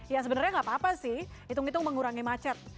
ya sebenarnya nggak apa apa sih hitung hitung mengurangi macet